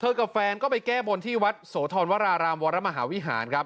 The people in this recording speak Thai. กับแฟนก็ไปแก้บนที่วัดโสธรวรารามวรมหาวิหารครับ